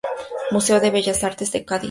Museo de Bellas Artes de Cádiz.